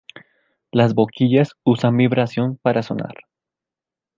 Las boquillas usan vibración para sonar.